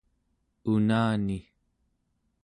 unani